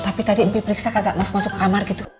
tapi tadi mpipriksa kagak masuk masuk ke kamar gitu